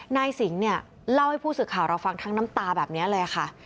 นายสิงห์เนี่ยเล่าให้ผู้สื่อข่าวเราฟังทั้งน้ำตาแบบนี้เลยค่ะ